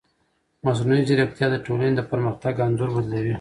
مصنوعي ځیرکتیا د ټولنې د پرمختګ انځور بدلوي.